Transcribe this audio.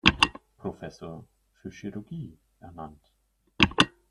Professor für Chirurgie ernannt.